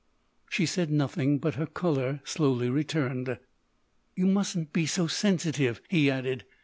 She said nothing, but her colour slowly returned. "You mustn't be so sensitive," he added.